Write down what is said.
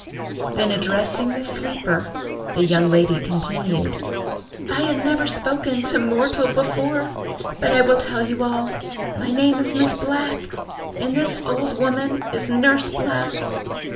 Then addressing the sleeper, the young lady continued, "I have never spoken to mortal before; but I will tell you all. My name is Miss Black; and this old woman is Nurse Black.